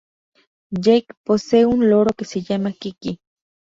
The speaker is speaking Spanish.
Jack posee un loro que se llama Kiki.